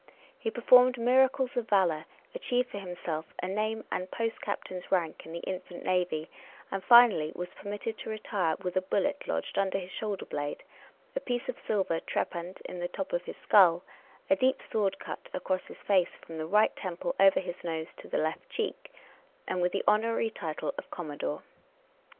He performed miracles of valor achieved for himself a name and a post captain's rank in the infant navy and finally was permitted to retire with a bullet lodged under his shoulder blade, a piece of silver trepanned in the top of his skull, a deep sword cut across his face from the right temple over his nose to the left cheek and with the honorary title of commodore.